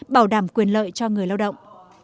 bảo đảm quyền lợi cho người lao động